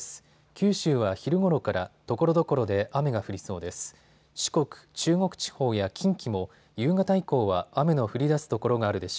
九州は昼ごろからところどころで雨が降りそうです。